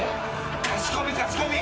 かしこみかしこみ。